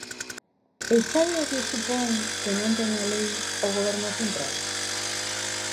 ¿E sabe o que supón que non teña lei o Goberno central?